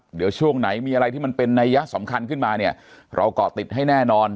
เดี๋ยวช่วงไหนมีอะไรที่มันเป็นนัยยะสำคัญขึ้นมาเนี่ยเราเกาะติดให้แน่นอน